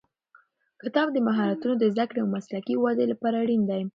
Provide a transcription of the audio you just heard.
کتاب د مهارتونو د زده کړې او مسلکي ودې لپاره اړین دی.